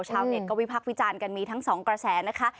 ชาวเน็ตก็วิพักษ์วิจารณ์กันมีทั้งสองกระแสนะคะ